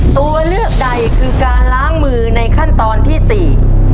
ตัวเลือกใดคือการล้างมือในขั้นตอนที่สี่